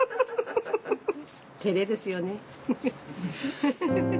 照れですよね。